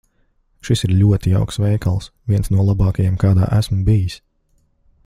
Šis ir ļoti jauks veikals. Viens no labākajiem, kādā esmu bijis.